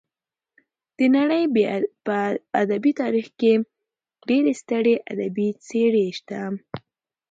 د نړۍ په ادبي تاریخ کې ډېرې سترې ادبي څېرې شته.